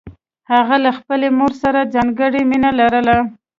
هغه له خپلې مور سره ځانګړې مینه لرله